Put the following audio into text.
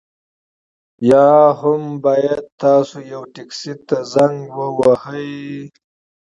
یا هم باید تاسو یوه ټکسي ته زنګ ووهئ